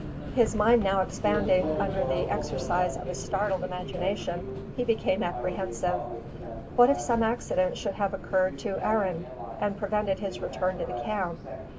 His mind now expanding under the exercise of a startled imagination, he became apprehensive. What if some accident should have occurred to Arend, and prevented his return to the camp?